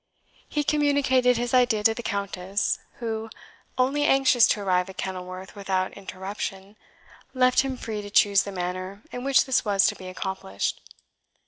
He communicated his idea to the Countess, who, only anxious to arrive at Kenilworth without interruption, left him free to choose the manner in which this was to be accomplished.